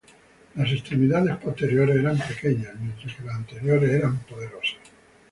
Las extremidades posteriores eran pequeñas, mientras que las anteriores eran poderosas.